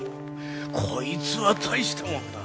こいつは大したもんだ。